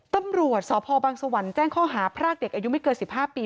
ตำรวจสพบังสวรรค์แจ้งข้อหาพรากเด็กอายุไม่เกิน๑๕ปี